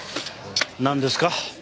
なんですか？